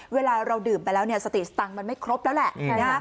เวลาเราดื่มไปแล้วเนี่ยสติสตังค์มันไม่ครบแล้วแหละ